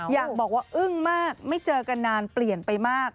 อยากบอกว่าอึ้งมากไม่เจอกันนานเปลี่ยนไปมาก